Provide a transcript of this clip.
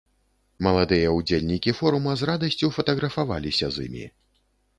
Маладыя ўдзельнікі форума з радасцю фатаграфаваліся з імі.